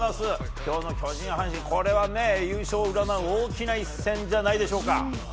今日の巨人対阪神は優勝を占う大きな一戦じゃないでしょうか。